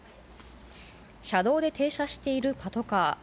車道で停車しているパトカー。